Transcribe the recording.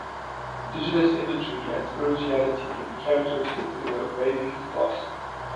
Indigenous imagery and spirituality can be characteristic in the Raving ethos.